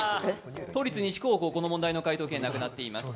都立西高校、この問題の解答権なくなっています。